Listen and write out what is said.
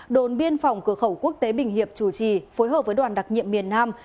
đồn biên phòng cửa khẩu quốc tế bình hiệp chủ trì phối hợp với đoàn đặc nhiệm miền nam